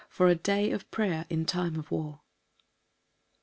For a day of prayer in time of war.